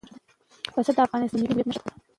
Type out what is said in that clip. پسه د افغانستان د ملي هویت نښه ده.